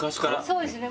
そうですね。